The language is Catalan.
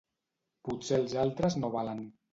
Potser els altres no valen.